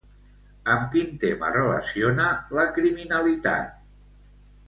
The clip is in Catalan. Amb quin tema relaciona la criminalitat?